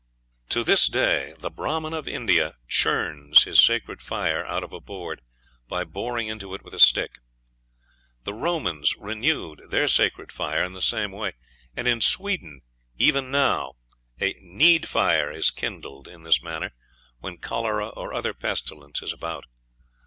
To this day the Brahman of India "churns" his sacred fire out of a board by boring into it with a stick; the Romans renewed their sacred fire in the same way; and in Sweden even now a "need fire is kindled in this manner when cholera or other pestilence is about."